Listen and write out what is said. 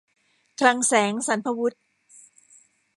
คลังแสงสรรพาวุธ